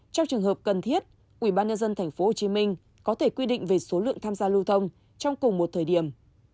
trong trường hợp cần thiết ubnd tp hcm có thể quy định về số lượng tham gia lưu thông trong cùng một thời điểm